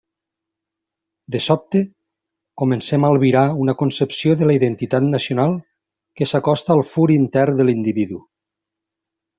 De sobte, comencem a albirar una concepció de la identitat nacional que s'acosta al fur intern de l'individu.